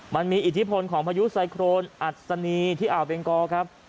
มันมีอิทธิพลของพายุไซโครนอัศนีที่อ่าวเบงกอครับ